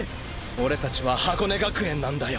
オレたちは箱根学園なんだよ。